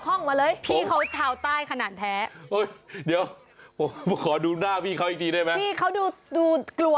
มันเหลือดเท้าให้กลับมานะครับมันเหลือดเท้าให้กลับมานะครับ